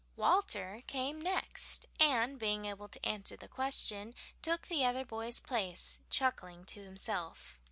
Walter came next, and, being able to answer the question, took the other boy's place, chuckling to himself.